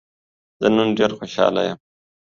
زه نن ډېر خوشحاله يم.